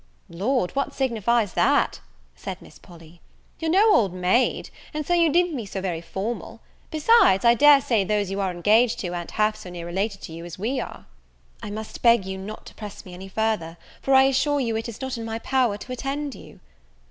"Lord, what signifies that?" said Miss Polly, "you're no old maid, and so you needn't be so very formal: besides I dare say those you are engaged to a'n't half so near related to you as we are." "I must beg you not to press me any further, for I assure you it is not in my power to attend you."